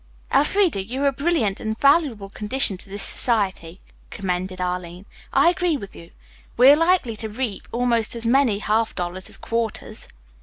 "Elfreda, you are a brilliant and valuable addition to this society," commended Arline. "I agree with you. We are likely to reap almost as many half dollars as quarters."